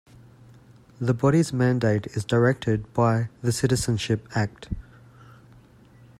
The body's mandate is directed by the Citizenship Act.